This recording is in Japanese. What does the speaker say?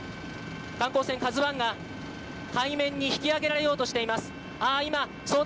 観光船「ＫＡＺＵ１」が海面に引き揚げられようとしています。